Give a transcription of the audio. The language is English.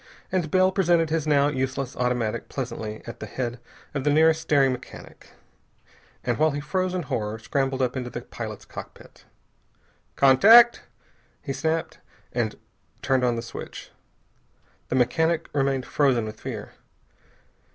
And Bell presented his now useless automatic pleasantly at the head of the nearest staring mechanic, and while he froze in horror, scrambled up into the pilot's cockpit. "Contact!" he snapped, and turned on the switch. The mechanic remained frozen with fear.